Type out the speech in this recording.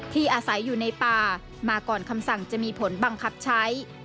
อาศัยอยู่ในป่ามาก่อนคำสั่งจะมีผลบังคับใช้